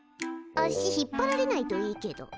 足引っ張られないといいけど。